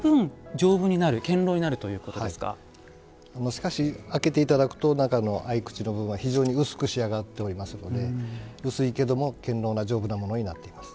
しかし開けて頂くと中の合い口の部分は非常に薄く仕上がっておりますので薄いけども堅ろうな丈夫なものになっています。